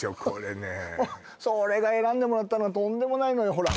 これねそれが選んでもらったのがとんでもないのよ